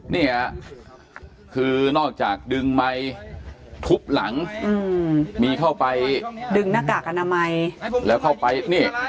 นี่คือนอกจากดึงมัยทุบหลังดึงหน้ากากอนามัย